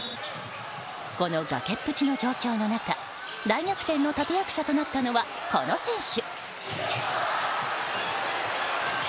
この崖っぷちの状況の中大逆転の立役者となったのはこの選手。